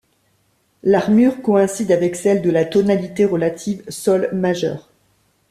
L'armure coïncide avec celle de la tonalité relative sol majeur.